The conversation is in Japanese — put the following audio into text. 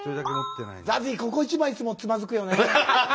ここ一番いつもつまずくよね。